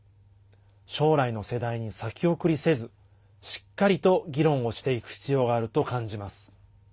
将来の世代に先送りせずしっかりと議論をしていく必要があると感じます。